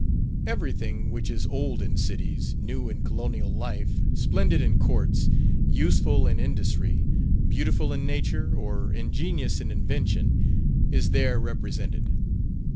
Every thing which is old in cities, new in colonial life, splendid in courts, useful in industry, beautiful in nature, or ingenious in invention, is there represented.